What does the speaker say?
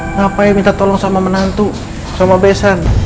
ngapain minta tolong sama menantu sama besan